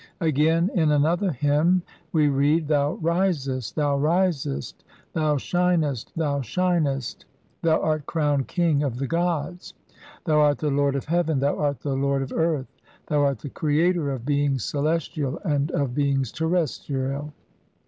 Again, in another hymn (see p. 8) we read :— "Thou risest, thou risest, thou "shinest, thou shinest, thou art crowned king of the "gods. Thou art the lord of heaven, thou art the lord "of earth ; thou art the creator of beings celestial and "of beings terrestrial.